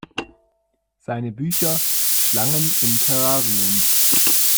Seine Bücher "Schlangen im Terrarium.